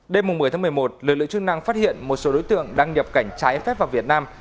đêm một mươi một mươi một lực lượng chức năng phát hiện một số đối tượng đang nhập cảnh trái phép vào việt nam